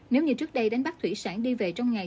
nếu như trước đây đánh bắt thủy sản đi về trong ngày